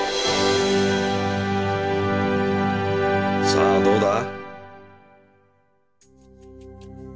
さあどうだ？